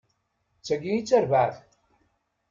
D tagi i d tarbaɛt!